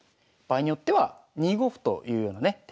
場合によっては２五歩というようなね